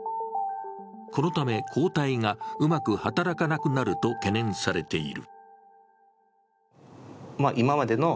このため抗体がうまく働かなくなると懸念されている。